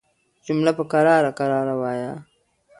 جمله په کراره کراره وايه